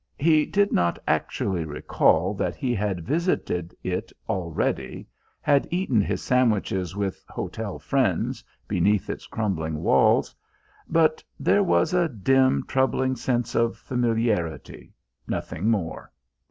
He did not actually recall that he had visited it already, had eaten his sandwiches with "hotel friends" beneath its crumbling walls; but there was a dim troubling sense of familiarity nothing more.